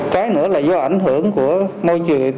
cái nữa là do ảnh hưởng của môi trường